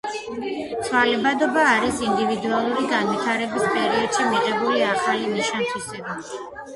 ცვალებადობა არის ინდივიდუალური განვითარების პერიოდში მიღებული ახალი ნიშან - თვისება.